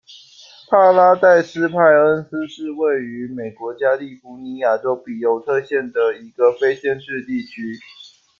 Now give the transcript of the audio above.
帕拉代斯派恩斯是位于美国加利福尼亚州比尤特县的一个非建制地区。